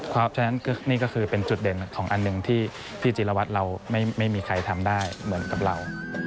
เพราะฉะนั้นนี่ก็คือเป็นจุดเด่นของอันหนึ่งที่พี่จิรวัตรเราไม่มีใครทำได้เหมือนกับเรา